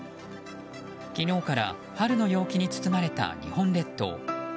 昨日から春の陽気に包まれた日本列島。